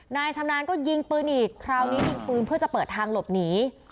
นายชำนาญก็ยิงปืนอีกคราวนี้ยิงปืนเพื่อจะเปิดทางหลบหนี